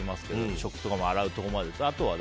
食器とかも洗うところまでは。